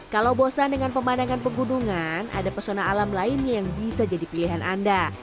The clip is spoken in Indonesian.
kalau bosan dengan pemandangan pegunungan ada pesona alam lainnya yang bisa jadi pilihan anda